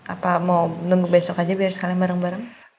apa mau nunggu besok aja biar sekalian bareng bareng